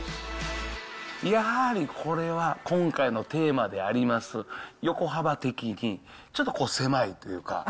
やはり、これは今回のテーマであります、横幅的にちょっと狭いというか。